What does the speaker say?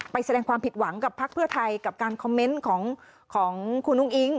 แสดงความผิดหวังกับพักเพื่อไทยกับการคอมเมนต์ของคุณอุ้งอิ๊ง